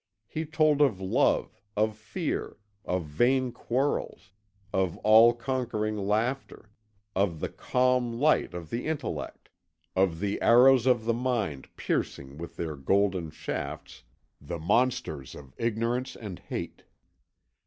He told of love, of fear, of vain quarrels, of all conquering laughter, of the calm light of the intellect, of the arrows of the mind piercing with their golden shafts the monsters of Ignorance and Hate.